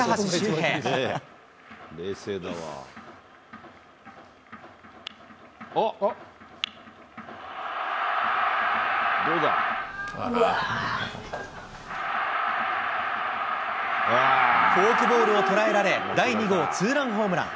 フォークボールを捉えられ、第２号ツーランホームラン。